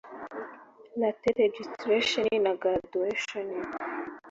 ‘Late Registration’ na ‘Graduation